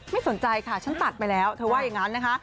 สนใจค่ะฉันตัดไปแล้วเธอว่าอย่างนั้นนะคะ